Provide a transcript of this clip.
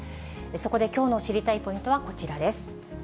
そこできょうの知りたいポイントは、こちらです。